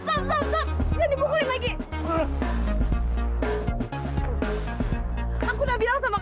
kamu apa apa nanti nggak papa itu teh itu cowok emang